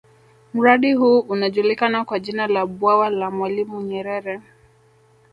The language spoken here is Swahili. Mradi huu unajulikana kwa jina la Bwawa la mwalimu nyerere